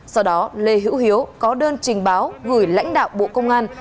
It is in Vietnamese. sau đó lê hữu hiếu có đơn trình báo gửi lãnh đạo bộ công an